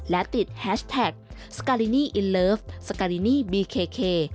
และติดแฮชแท็กสการินีอินเลิฟสการินีเค